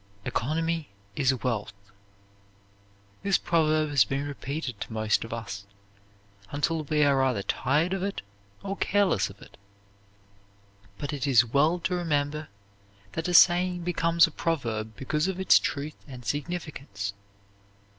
"Economy is wealth." This proverb has been repeated to most of us until we are either tired of it or careless of it, but it is well to remember that a saying becomes a proverb because of its truth and significance.